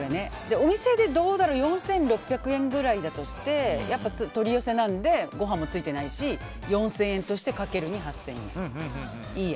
お店で４６００円ぐらいだとして取り寄せなのでご飯もついてないし４０００円としてかける２で８０００円。